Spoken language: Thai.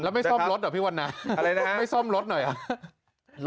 แล้วไม่ซ่อมรถเหรอพี่วันนะอะไรนะไม่ซ่อมรถหน่อยอ่ะ